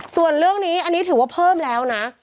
ส่วนเรื่องนี้อันนี้ถือว่าเพิ่มแล้วนะ